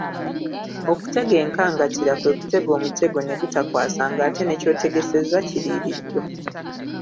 Okutega enkangantira kwe kutega omutego ne gutakwasa ng'ate ne ky'otegesezza kiriiriddwa.